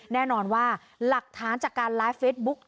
แน่นอนว่าหลักฐานจากการไลฟ์เฟซบุ๊ก